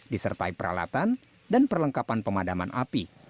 disertai peralatan dan perlengkapan pemadaman api